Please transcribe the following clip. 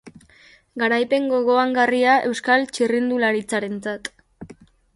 Garaipen gogoangarria euskal txirrindularitzarentzat.